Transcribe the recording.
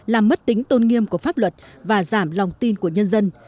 làm mất tính tôn nghiêm của pháp luật và giảm lòng tin của nhân dân